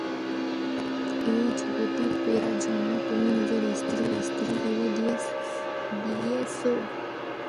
এই যুবতী পেত্নীটার জন্যে তুমি নিজের স্ত্রী- কে ছেড়ে দিয়েছো?